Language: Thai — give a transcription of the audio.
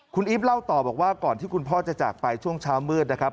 คุณอีฟเล่าต่อบอกว่าก่อนที่คุณพ่อจะจากไปช่วงเช้ามืดนะครับ